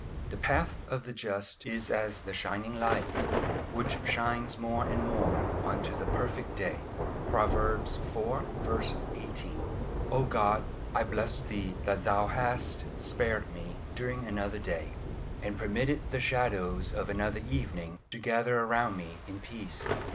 "The path of the just is as the shining light, which shines more and more onto the perfect day." Proverbs iv. 18. O God, I bless Thee that Thou hast spared me during another day, and permitted the shadows of another evening to gather around me in peace.